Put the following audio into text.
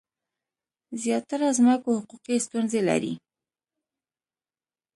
زیاتره ځمکو حقوقي ستونزې لرلې.